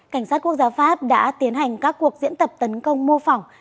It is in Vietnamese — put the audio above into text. cảnh sát quốc gia pháp đã tiến hành các cuộc diễn tập tấn công mô phỏng